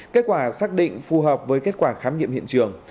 kết quả xác định phù hợp với kết quả khám nghiệm hiện trường